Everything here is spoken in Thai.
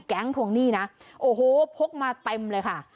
ทวงหนี้นะโอ้โหพกมาเต็มเลยค่ะ